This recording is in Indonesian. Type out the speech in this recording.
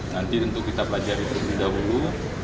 nanti tentu kita belajar itu dulu